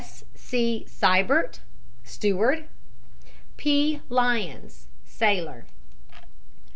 "S. C. Siebert, steward. "P. Lyons, sailor.